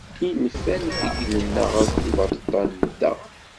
Ilfan fegglen-aɣ akk lbaṭaṭa-nteɣ.